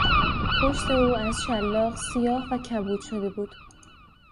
پشت او از شلاق سیاه و کبود شده بود.